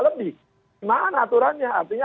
lebih mana aturannya artinya